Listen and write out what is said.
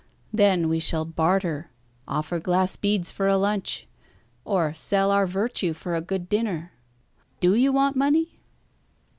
Then we shall barter, offer glass beads for a lunch, or sell our virtue for a good dinner. Do you want money?"